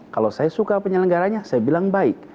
kalau saya suka penyelenggaranya saya bilang baik